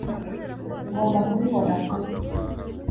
ngomba kubibona vuba